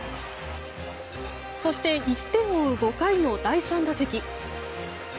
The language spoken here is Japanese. そして、１点を追う５回の第３打席。